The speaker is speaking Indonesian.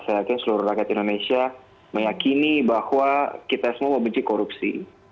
saya yakin seluruh rakyat indonesia meyakini bahwa kita semua membenci korupsi